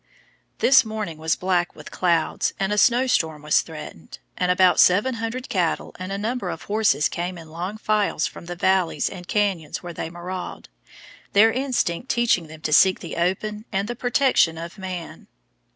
This morning was black with clouds, and a snowstorm was threatened, and about 700 cattle and a number of horses came in long files from the valleys and canyons where they maraud, their instinct teaching them to seek the open and the protection of man.